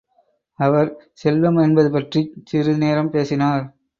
அவர் செல்வம் என்பது பற்றிச் சிறிது நேரம் பேசினார்.